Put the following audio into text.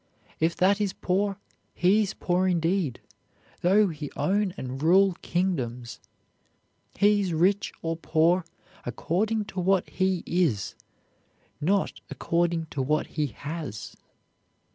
If that is poor, he is poor indeed, though he own and rule kingdoms. He is rich or poor according to what he is, not according to what he has.